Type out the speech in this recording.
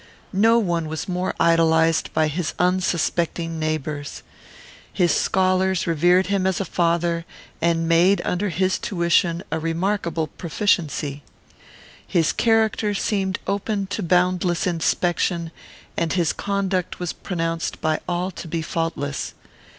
No one was more idolized by his unsuspecting neighbours. His scholars revered him as a father, and made under his tuition a remarkable proficiency. His character seemed open to boundless inspection, and his conduct was pronounced by all to be faultless.